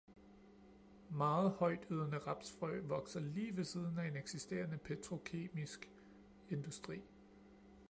Meget højtydende rapsfrø vokser lige ved siden af en eksisterende petrokemisk industri.